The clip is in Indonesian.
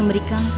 om terima kasih